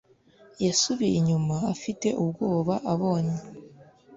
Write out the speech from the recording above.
Yasubiye inyuma afite ubwoba abonye.